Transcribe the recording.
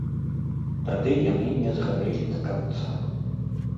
Тады яны не згарэлі да канца.